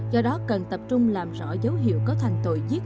do đó cần tập trung làm rõ dấu hiệu cấu thành tội giết